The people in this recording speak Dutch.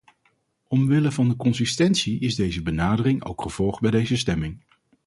Omwille van de consistentie is deze benadering ook gevolgd bij deze stemming.